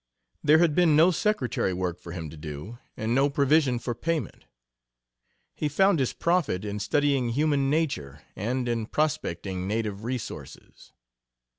There had been no secretary work for him to do, and no provision for payment. He found his profit in studying human nature and in prospecting native resources.